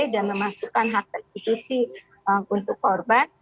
dan memasukkan hak institusi untuk korban